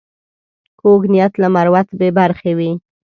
کوږ نیت له مروت بې برخې وي